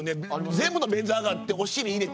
全部の便座上がってお尻入れて。